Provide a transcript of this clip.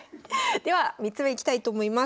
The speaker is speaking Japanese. では３つ目いきたいと思います。